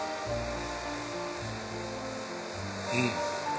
うん。